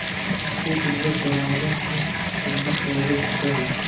Bu dilbar taronadan keyin kuningiz xayrli oʻtishi tabiiy.